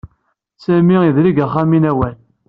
Sami yedleg axxam i Newwal.